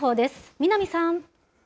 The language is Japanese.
南さん。